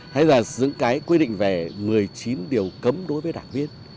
hay là dựng cái quy định về một mươi chín điều cấm đối với đảng viên